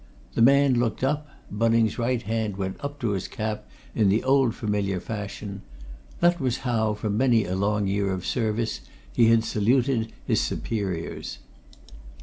The man looked up Bunning's right hand went up to his cap in the old familiar fashion; that was how, for many a long year of service, he had saluted his superiors.